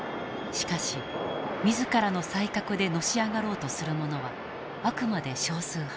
しかし自らの才覚でのし上がろうとする者はあくまで少数派。